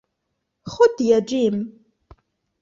خذ يا جيم.